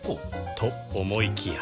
と思いきや